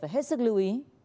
hãy sức lưu ý